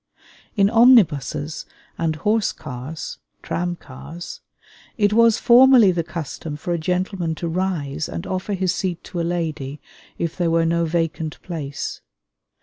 In omnibuses and horse cars (tram cars), it was formerly the custom for a gentleman to rise and offer his seat to a lady if there were no vacant place.